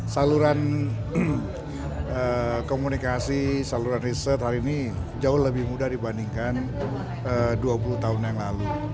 saluran komunikasi saluran riset hari ini jauh lebih mudah dibandingkan dua puluh tahun yang lalu